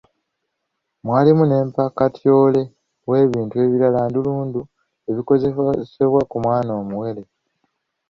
Mwalimu ne mpakatyole w'ebintu ebirala ndulundu ebikozesebwa ku mwana omuwere.